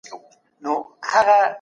آمر او مامور د یو بل ژبه نه اوري.